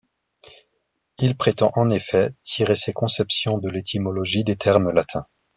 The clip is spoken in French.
Il prétend, en effet, tirer ses conceptions de l'étymologie des termes latins.